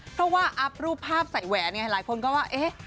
เพราะว่าอัพรูปภาพใส่แหวนไงหลายคนก็ว่าเอ๊ะ